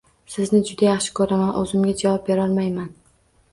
Sizni juda yaxshi koʻraman, oʻzimga javob berolmayman.